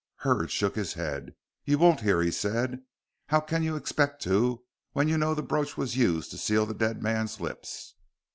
Hurd shook his head. "You won't hear," he said. "How can you expect to when you know the brooch was used to seal the dead man's lips?"